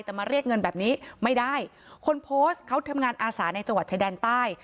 แต่มาเรียกเงินแบบนี้ไม่ได้คนโพสต์เขาทำงานอาสาในจังหวัดชายแดนใต้